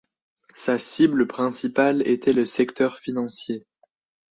Sa cible principale était le secteur financier.